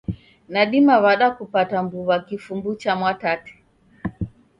Nadima w'ada kupata mbuw'a kifumbu cha Mwatate?